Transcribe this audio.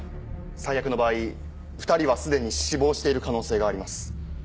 最悪の場合２人は既に死亡している可能性があります。